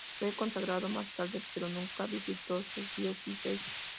Fue consagrado más tarde, pero nunca visitó su diócesis.